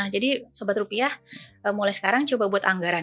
jadi sobat rupiah mulai sekarang coba buat anggaran